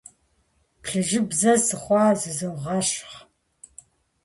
Плъыжьыбзэ сыхъуауэ зызогъэщхъ.